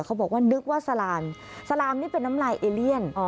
เขาบอกว่านึกว่าสลามสลามนี่เป็นน้ำลายเอเลียน